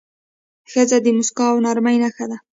ښځه د موسکا او نرمۍ نښه ده.